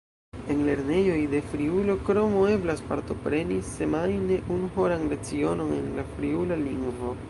En lernejoj de Friulo kromo eblas partopreni semajne unuhoran lecionon en la friula lingvo.